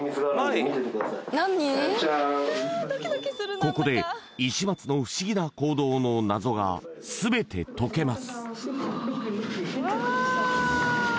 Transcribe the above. ここで石松の不思議な行動の謎が全て解けます